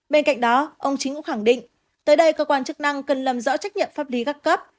bên cạnh đó ông chí cũng khẳng định tới đây cơ quan chức năng cần làm rõ trách nhiệm pháp lý các cấp